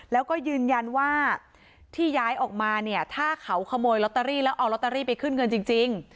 แล้วก็ยืนยันว่าที่ย้ายออกมาเนี่ยถ้าเขาขโมยลอตเตอรี่แล้วเอาลอตเตอรี่ไปขึ้นเงินจริง